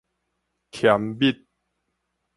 緘默